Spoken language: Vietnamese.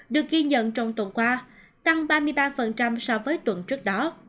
được ghi nhận trong tuần qua tăng ba mươi ba so với tuần trước đó